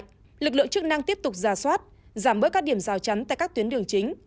trước đó lực lượng chức năng tiếp tục rà soát giảm bớt các điểm rào chắn tại các tuyến đường chính